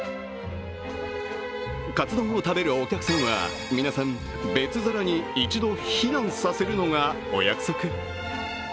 かつ丼を食べるお客さんは、皆さん、別皿に一度避難させるのがお約束。